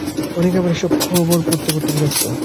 অনেকে আবার এসব খবর পড়তে পড়তে বিরক্ত।